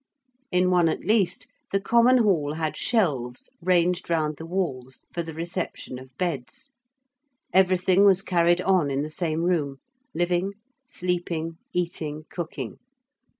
In one at least the common hall had shelves ranged round the walls for the reception of beds: everything was carried on in the same room, living, sleeping, eating, cooking.